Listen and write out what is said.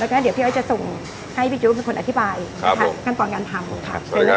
แล้วก็เดี๋ยวพี่อ้อยจะส่งให้พี่จู๊เป็นคนอธิบายครับผมขั้นตอนการทำครับสวัสดีครับ